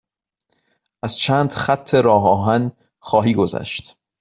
از چند خط راه آهن خواهی گذشت.